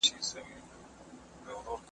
پنځیزې سرچینې د تولید لپاره اساسي رول لري.